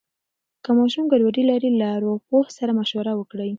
که ماشوم ګډوډي لري، له ارواپوه سره مشوره وکړئ.